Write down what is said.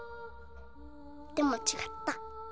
でも違った！